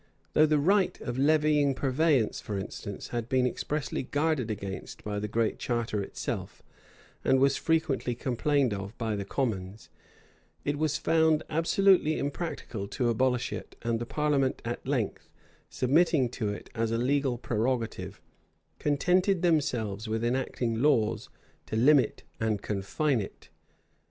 Though the right of levying purveyance for instance, had been expressly guarded against by the Great Charter itself, and was frequently complained of by the commons, it was found absolutely impracticable to abolish it; and the parliament at length, submitting to it as a legal prerogative, contented themselves with enacting laws to limit and confine it.